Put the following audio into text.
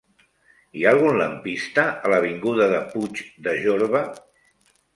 Hi ha algun lampista a l'avinguda de Puig de Jorba?